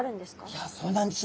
いやそうなんです。